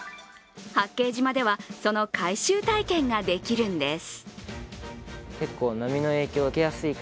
八景島では、その回収体験ができるんです。